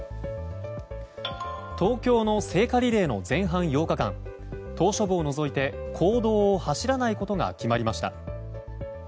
東京の聖火リレーの前半８日間島しょ部を除いて公道を走らないことが決まりました。